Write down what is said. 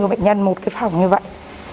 với bệnh nhân một cái phòng như vậy